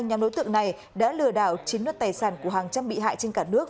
nhóm đối tượng này đã lừa đảo chiếm đất tài sản của hàng trăm bị hại trên cả nước